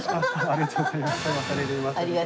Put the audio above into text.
ありがとうございます。